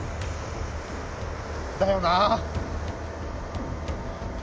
だよな。